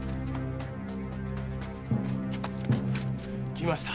来ました。